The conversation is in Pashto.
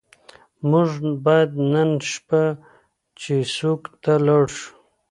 موږ باید نن شپه چیسوک ته لاړ شو.